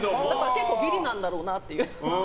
結構、ギリなんだろうなって。